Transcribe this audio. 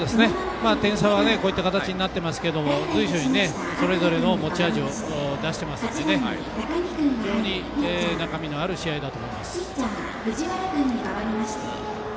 点差はこういった形になってますけども随所にそれぞれの持ち味を出していますので非常に中身のある試合だと思います。